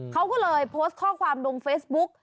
เขาก็เลยโพสต์ข้อความลงเฟซบุ๊ก